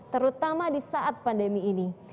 terutama di saat pandemi ini